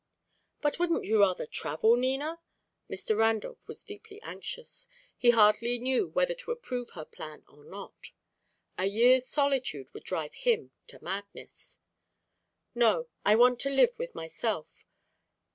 "But wouldn't you rather travel, Nina?" Mr. Randolph was deeply anxious; he hardly knew whether to approve her plan or not. A year's solitude would drive him to madness. "No, I want to live with myself.